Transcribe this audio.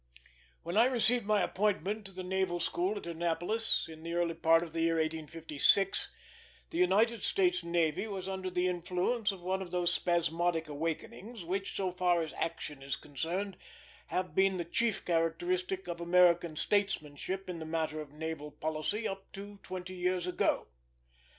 When I received my appointment to the Naval School at Annapolis, in the early part of the year 1856, the United States navy was under the influence of one of those spasmodic awakenings which, so far as action is concerned, have been the chief characteristic of American statesmanship in the matter of naval policy up to twenty years ago.